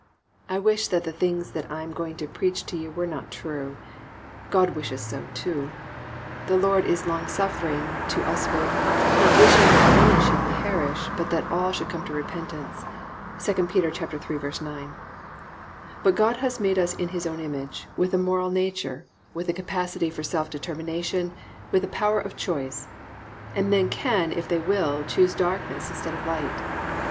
I wish that the things that I am going to preach to you were not true. God wishes so, too, +"The Lord is longsuffering to usward, not wishing that any should perish, but that all should come to repentance"+ (2 Peter 3:9). But God has made us in His own image, with a moral nature, with a capacity for self determination, with a power of choice; and men can if they will choose darkness instead of light.